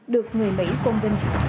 được người mỹ công tin